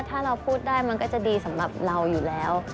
ถ้าเราพูดได้มันก็จะดีสำหรับเราอยู่แล้ว